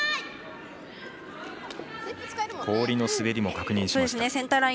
氷の滑りも確認しました。